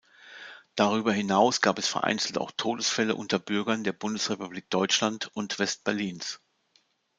Darüber hinaus gab es vereinzelt auch Todesfälle unter Bürgern der Bundesrepublik Deutschland und West-Berlins.